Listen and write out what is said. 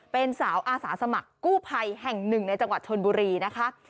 เป็นสาวอาสาสมัครกู้ภัยแห่งหนึ่งในจังหวัดชนบุรีนะคะ